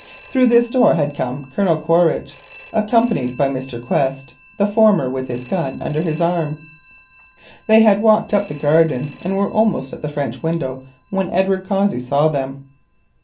Through this door had come Colonel Quaritch accompanied by Mr. Quest, the former with his gun under his arm. They walked up the garden and were almost at the French window when Edward Cossey saw them.